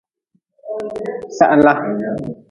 Sahla.